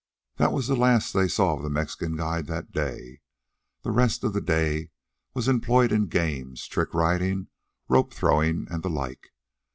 That was the last they saw of the Mexican guide that day. The rest of the day was employed in games, trick riding, rope throwing and the like.